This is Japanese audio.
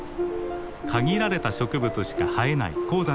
限られた植物しか生えない高山とは違い